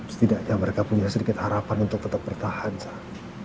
setidaknya mereka punya sedikit harapan untuk tetap bertahan noh